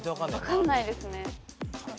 分かんないですね。